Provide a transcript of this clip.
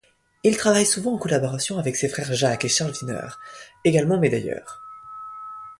Il travaille souvent en collaboration avec ses frères Jacques et Charles Wiener, également médailleurs.